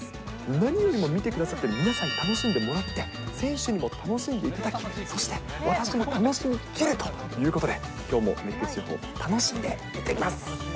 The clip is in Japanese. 何よりも見てくださって、皆さん楽しんでもらって、選手にも楽しんでいただき、そして私も楽しむけれどということで、きょうも熱ケツ情報、楽しんで行ってきます。